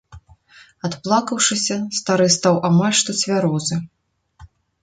Адплакаўшыся, стары стаў амаль што цвярозы.